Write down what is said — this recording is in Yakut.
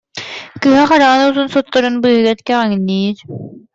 Кыыһа хараҕын уутун сотторун быыһыгар кэҕиҥниир